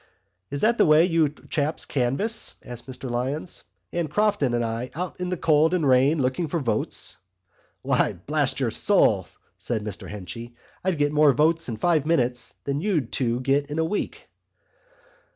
"Is that the way you chaps canvass," said Mr Lyons, "and Crofton and I out in the cold and rain looking for votes?" "Why, blast your soul," said Mr Henchy, "I'd get more votes in five minutes than you two'd get in a week."